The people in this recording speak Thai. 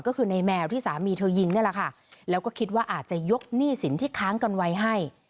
ก็คือในแมวที่สามีเธอยิงนี่แหละค่ะแล้วก็คิดว่าอาจจะยกหนี้สินที่ค้างกันไว้ให้